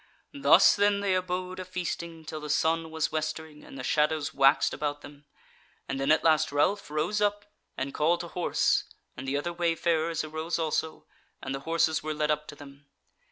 Thus then they abode a feasting till the sun was westering and the shadows waxed about them, and then at last Ralph rose up and called to horse, and the other wayfarers arose also, and the horses were led up to them.